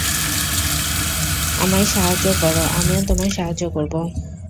আমায় সাহায্য করো, আমিও তোমায় সাহায্য করব!